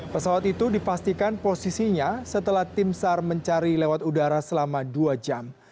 pesawat itu dipastikan posisinya setelah tim sar mencari lewat udara selama dua jam